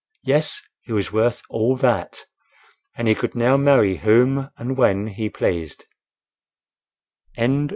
Yes, he was worth all that! and he could now marry whom and when he pleased.